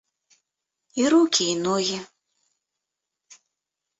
І рукі і ногі.